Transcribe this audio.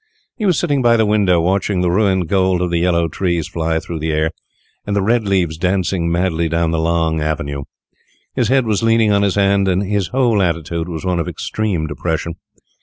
He was sitting by the window, watching the ruined gold of the yellowing trees fly through the air, and the red leaves dancing madly down the long avenue. His head was leaning on his hand, and his whole attitude was one of extreme depression.